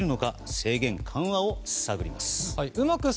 制限緩和を探ります。